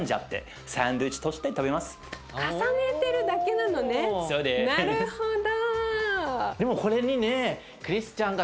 なるほど。